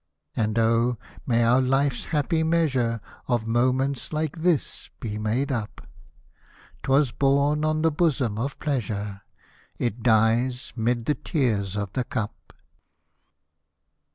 And oh ! may our life's happy measure Of moments like this be made up, 'Twas born on the bosom of Pleasure, It dies 'mid the tears of the cup.